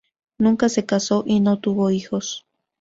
Nunca se casó y no tuvo hijos.